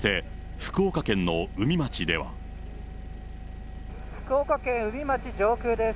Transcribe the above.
福岡県宇美町上空です。